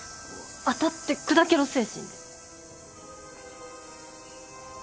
当たって砕けろ精神で。